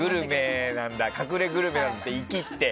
隠れグルメなんていきって。